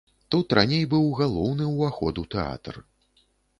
Тут раней быў галоўны ўваход у тэатр.